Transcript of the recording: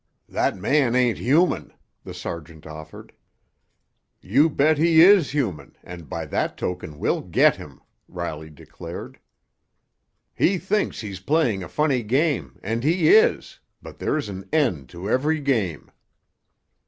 "That man ain't human," the sergeant offered. "You bet he is human, and by that token we'll get him!" Riley declared. "He thinks he's playin' a funny game, and he is, but there's an end to every game."